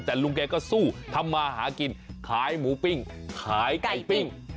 แต่ลุงแกก็สู้ทำมาหากินขายหมูปิ้งขายไก่ปิ้ง